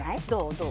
どう？